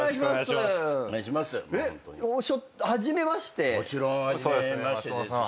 もちろん初めましてですし。